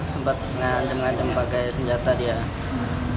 sempat ngancem ngancem pakai senjata dia